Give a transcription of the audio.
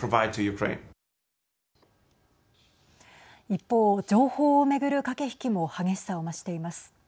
一方、情報を巡る駆け引きも激しさを増しています。